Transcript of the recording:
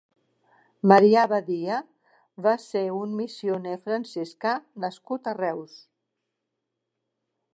Marià Badia va ser un missioner franciscà nascut a Reus.